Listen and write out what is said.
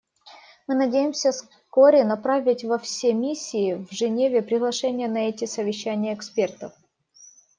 Мы надеемся вскоре направить во все миссии в Женеве приглашение на эти совещания экспертов.